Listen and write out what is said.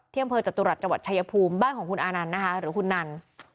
เที่ยงเภอจตุรัสจชัยภูมิบ้านของคุณอานันนะคะหรือคุณนัน